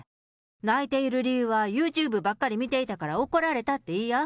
泣いている理由は、ユーチューブばっかり見ていたから怒られたって言いや。